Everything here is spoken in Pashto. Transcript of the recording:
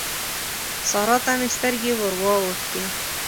سارا ته مې سترګې ور واوښتې.